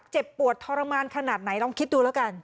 เจ็บปวดทรมานขนาดไหนลองคิดดูแล้วกัน